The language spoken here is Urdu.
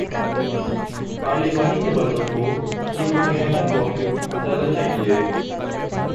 پارلیمانی جماعتوں کو یہ متحدہ موقف اپنانا چاہیے۔